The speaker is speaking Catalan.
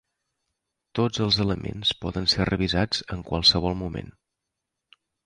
Tots els elements poden ser revisats en qualsevol moment.